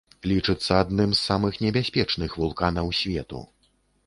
Лічыцца адным з самых небяспечных вулканаў свету.